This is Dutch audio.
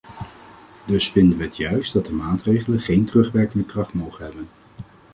Dus vinden we het juist dat de maatregelen geen terugwerkende kracht mogen hebben.